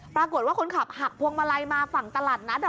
ปรากฏว่าคนขับหักพวงมาลัยมาฝั่งตลาดนัด